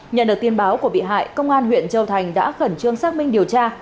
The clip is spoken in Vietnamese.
nhận được tin báo của bị hại công an huyện châu thành đã khẩn trương xác minh điều tra